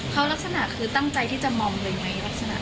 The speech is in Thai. เขารักษณะคือตั้งใจที่จะมองเลยไหม